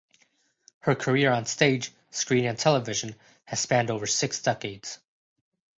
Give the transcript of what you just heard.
Her career on stage, screen and television has spanned over six decades.